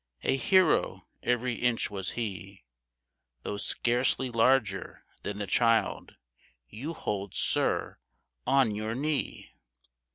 A hero every inch was he, Though scarcely larger than the child You hold, sir, on your knee.